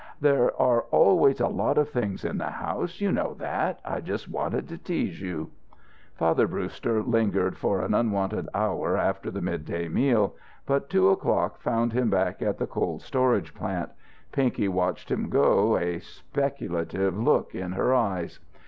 "There are always a lot of things in the house. You know that. I just wanted to tease you." Father Brewster lingered for an unwonted hour after the midday meal. But two o'clock found him back at the cold storage plant. Pinky watched him go, a speculative look in her eyes.